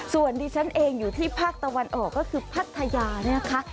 ส่วนดิฉันเองอยู่ที่ภาคตะวันออกก็คือพัทยาเนี่ยนะคะ